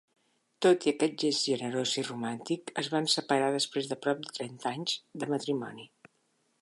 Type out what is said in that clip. Tot i aquest gest generós i romàntic es van separar després de prop de trenta anys de matrimoni.